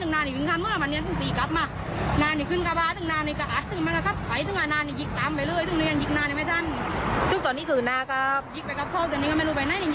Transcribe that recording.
คือว่าอุกอาจไหมครับแบบนี้